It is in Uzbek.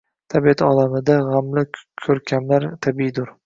Tabiat olamida gʻamli koʻrkamlar tabiiydur